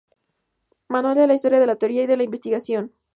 Manual de la historia de la teoría y de la investigación.